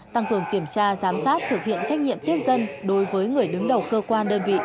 tăng cường kiểm tra giám sát thực hiện trách nhiệm tiếp dân đối với người đứng đầu cơ quan đơn vị